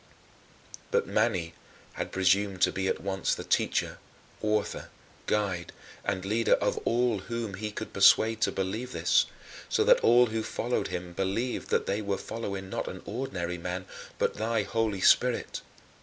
" But Mani had presumed to be at once the teacher, author, guide, and leader of all whom he could persuade to believe this, so that all who followed him believed that they were following not an ordinary man but thy Holy Spirit.